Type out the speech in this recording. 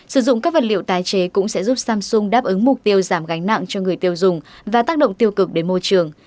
sử dụng các vật liệu tái chế cũng sẽ giúp samsung đáp ứng mục tiêu giảm gánh nặng cho người tiêu dùng và tác động tiêu cực đến môi trường